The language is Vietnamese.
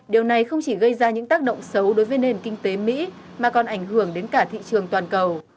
điều này không chỉ gây ra những tác động xấu đối với nền kinh tế mỹ mà còn ảnh hưởng đến cả thị trường toàn cầu